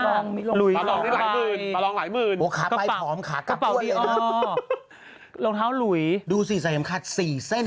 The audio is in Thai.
แต่เราบอกได้มั้ยเขาเป็นแฟชั่นอยากใส่สี่เส้น